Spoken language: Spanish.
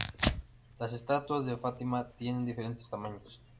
Las estatuas de Fátima tienen diferentes tamaños.